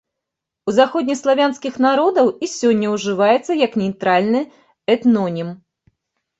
У заходнеславянскіх народаў і сёння ўжываецца як нейтральны этнонім.